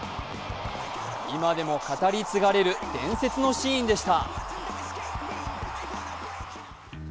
今でも語り継がれる伝説のシーンでした。